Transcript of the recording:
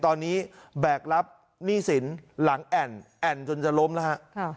ตอนนี้แบกรับหนี้สินหลังแอ่นแอ่นจนจะล้มแล้วฮะ